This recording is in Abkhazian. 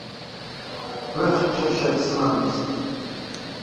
Быхьчашьа сымамызт.